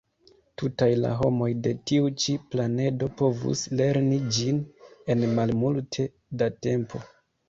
Tutaj la homoj de tiu ĉi planedo povus lerni ĝin en malmulte da tempo.